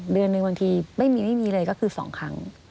เดือนหนึ่งบางทีไม่มีไม่มีเลยก็คือ๒ครั้ง